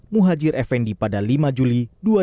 muhajir effendi pada lima juli dua ribu dua puluh